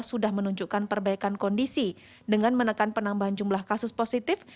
sudah menunjukkan perbaikan kondisi dengan menekan penambahan jumlah kasus positif